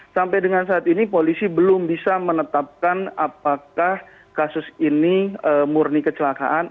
sampai dengan saat ini polisi belum bisa menetapkan apakah kasus ini murni kecelakaan